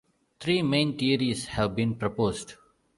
Three main theories have been proposed.